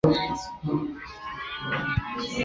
人肉搜索有时也造就了网路爆红现象。